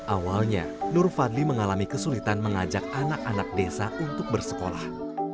awalnya nur fadli mengalami kesulitan mengajak anak anak desa untuk bersekolah